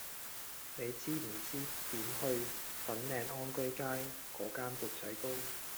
你知唔知點去粉嶺安居街嗰間缽仔糕